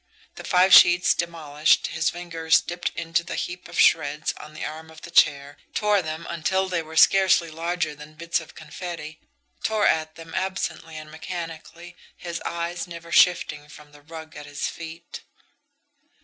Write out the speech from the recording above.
The five sheets demolished, his fingers dipped into the heap of shreds on the arm of the chair and tore them over and over again, tore them until they were scarcely larger than bits of confetti, tore at them absently and mechanically, his eyes never shifting from the rug at his feet.